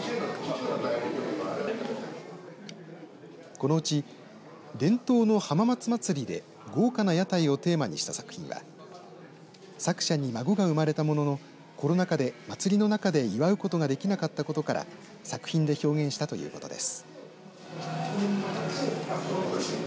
このうち、伝統の浜松まつりで豪華な屋台をテーマにした作品は作者に孫が生まれたもののコロナ禍で祭りの中で祝うことができなかったことから作品で表現したということです。